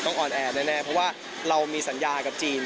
ออนแอร์แน่เพราะว่าเรามีสัญญากับจีน